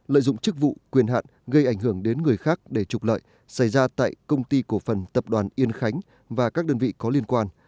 lợi dụng chức vụ quyền hạn gây ảnh hưởng đến người khác để trục lợi xảy ra tại công ty cổ phần tập đoàn yên khánh và các đơn vị có liên quan